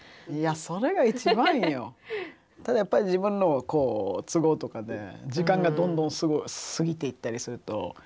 ただやっぱり自分の都合とかで時間がどんどん過ぎていったりすると。